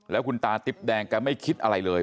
แล้วคุณตาติ๊บแดงแกไม่คิดอะไรเลย